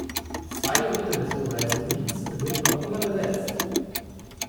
Zwei Drittel des Hoheitsgebiets sind noch immer besetzt.